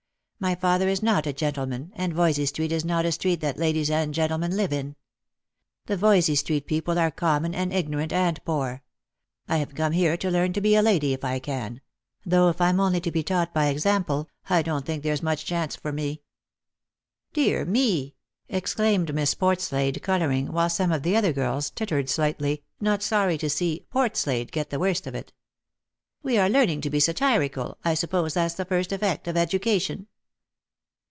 My father is not a gentleman, and Yoysey street is not a street that ladies and gentlemen live in. The Yoysey street people are common and ignorant and poor. I have come here to learn to be a lady, if I can — though if I'm only to be taught by example, I don't think there's much chance for me." " Dear me !" exclaimed Miss Portslade, colouring, while some of the other girls tittered slightly, not sorry to see " Portslade " get the worst of it. " We are learning to be satirical — I suppose that's the first effect of education